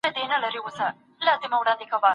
د ګاونډ ښځي د هغې شاوخوا ناستي دي او ژاړي.